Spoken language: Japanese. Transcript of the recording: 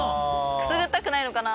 くすぐったくないのかな？